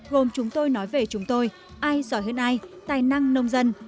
gồm chúng tôi nói về chúng tôi ai giỏi hết ai tài năng nông dân